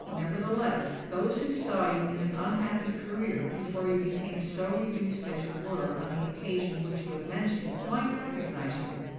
Nevertheless, those who saw you in an unhappy career, before you became so reduced as you were on the occasion which you have mentioned, might recognise you.